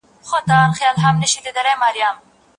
د پانګي زياتوالی به د هيواد پرمختګ چټک کړي.